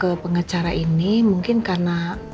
ke pengacara ini mungkin karena